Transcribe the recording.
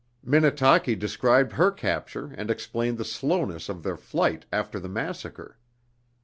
Minnetaki described her capture and explained the slowness of their flight after the massacre.